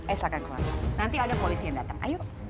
eh silahkan keluar nanti ada polisi yang datang ayo